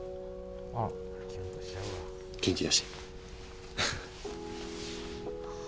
元気出して。